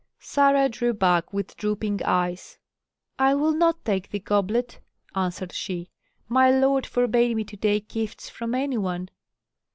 Sarah drew back with drooping eyes. "I will not take the goblet," answered she; "my lord forbade me to take gifts from any one."